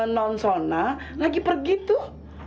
non sona lagi pergi tuh